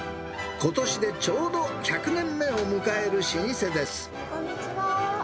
ことしでちょうど１００年目を迎こんにちは。